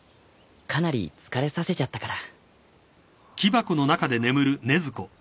かなり疲れさせちゃったから。